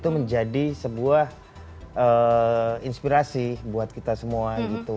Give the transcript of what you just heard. itu menjadi sebuah inspirasi buat kita semua gitu